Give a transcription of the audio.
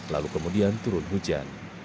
lalu kemudian turun hujan